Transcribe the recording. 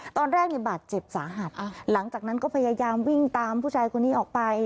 ตอนแรกเนี่ยบาดเจ็บสาหัสหลังจากนั้นก็พยายามวิ่งตามผู้ชายคนนี้ออกไป